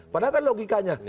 padahal tadi logikanya